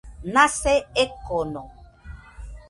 Nase ekono.